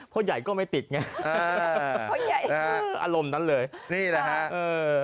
พ่อใหญ่ก็ไม่ติดไงอ่าพ่อใหญ่นะฮะอารมณ์นั้นเลยนี่แหละฮะเออ